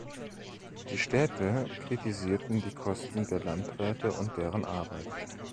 Die Städte kritisierten die Kosten der Landräte und deren Arbeit.